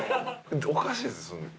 おかしいです。